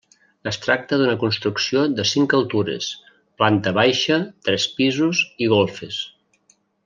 Es tracta d'una construcció de cinc altures, planta baixa, tres pisos i golfes.